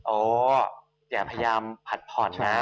อ๋ออย่าพยายามผัดผ่อนนะ